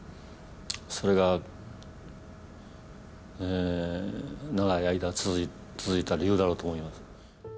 それが長い間続いた理由だろうと思います。